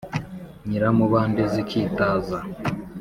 nyiramubande zikitaza